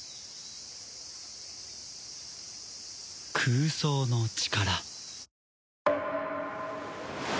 空想の力